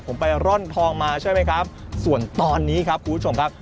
ผมไปร่อนทองมาใช่ไหมครับส่วนตอนนี้ครับคุณผู้ชมครับ